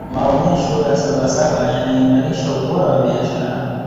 maonesha ya sabasaba yanaimarisha ubora wa biashara